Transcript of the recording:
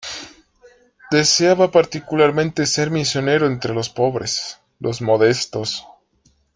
Deseaba particularmente ser misionero entre los pobres, los modestos.